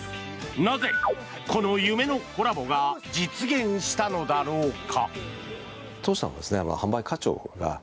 なぜ、この夢のコラボが実現したのだろうか。